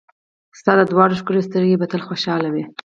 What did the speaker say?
ستا دا دواړه ښکلې سترګې به تل خوشحاله وي.